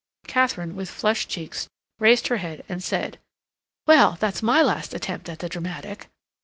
Katharine, with flushed cheeks, raised her head and said: "Well, that's my last attempt at the dramatic."